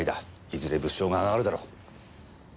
いずれ物証があがるだろう。